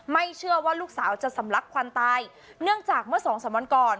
ไม่เชื่อว่าลูกสาวจะสำลักควันตายเนื่องจากเมื่อสองสามวันก่อน